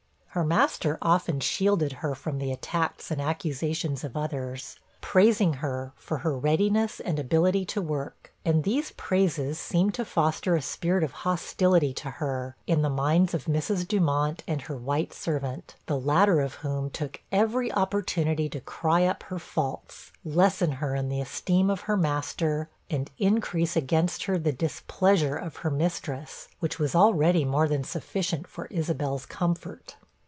Her master often shielded her from the attacks and accusations of others, praising her for her readiness and ability to work, and these praises seemed to foster a spirit of hostility to her, in the minds of Mrs. Dumont and her white servant, the latter of whom took every opportunity to cry up her faults, lessen her in the esteem of her master and increase against her the displeasure of her mistress, which was already more than sufficient for Isabel's comfort.